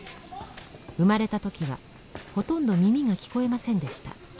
生まれた時はほとんど耳が聞こえませんでした。